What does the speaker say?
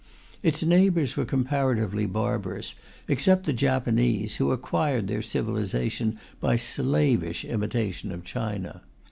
Its neighbours were comparatively barbarous, except the Japanese, who acquired their civilization by slavish imitation of China.